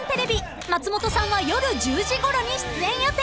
［松本さんは夜１０時ごろに出演予定！］